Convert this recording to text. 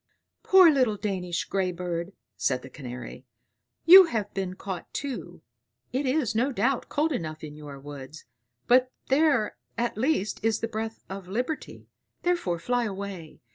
"Poor little Danish grey bird," said the Canary; "you have been caught too. It is, no doubt, cold enough in your woods, but there at least is the breath of liberty; therefore fly away.